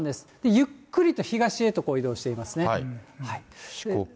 ゆっくりと東へと移動していますね。